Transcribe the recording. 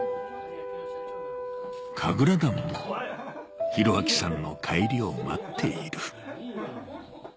神楽団も弘明さんの帰りを待っている